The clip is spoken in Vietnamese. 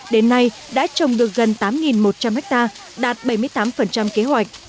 đến nay đã trồng được gần tám một trăm linh ha đạt bảy mươi tám kế hoạch